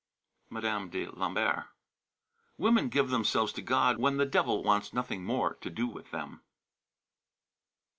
Mme. de Lambert. Women give themselves to God when the devil wants nothing more to do with them.